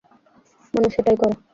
মানুষ সেটাই করে।